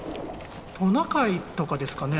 トナカイとかですかね？